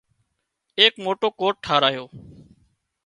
ايڪ موٽو ڪوٽ ٽاهرايو